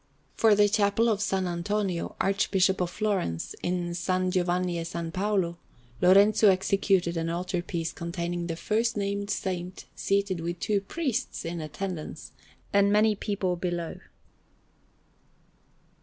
For the Chapel of S. Antonino, Archbishop of Florence, in SS. Giovanni e Paolo, Lorenzo executed an altar piece containing the first named Saint seated with two priests in attendance, and many people below.